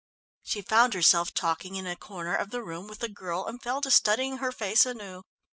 She found herself talking in a corner of the room with the girl, and fell to studying her face anew.